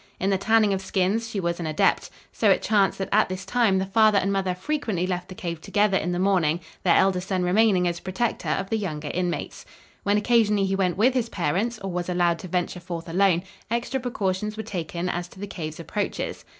In the tanning of skins she was an adept. So it chanced that at this time the father and mother frequently left the cave together in the morning, their elder son remaining as protector of the younger inmates. When occasionally he went with his parents, or was allowed to venture forth alone, extra precautions were taken as to the cave's approaches.